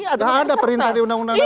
nggak ada perintah di undang undang dasar